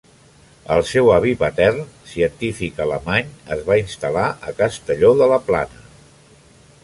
El seu avi patern, científic alemany, es va instal·lar a Castelló de la Plana.